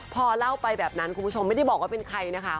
พอเล่าไปแบบนั้นคุณผู้ชมไม่ได้บอกว่าเป็นใครนะคะ